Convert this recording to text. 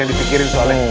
yang dipikirin soalnya